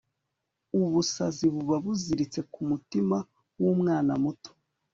ubusazi buba buziritse ku mutima w'umwana muto